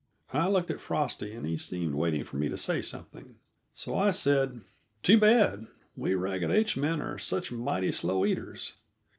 I looked at Frosty, and he seemed waiting for me to say something. So I said: "Too bad we Ragged H men are such mighty slow eaters.